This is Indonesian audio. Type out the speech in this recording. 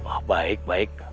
oh baik baik